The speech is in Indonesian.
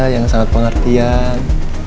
yang sangat pengertian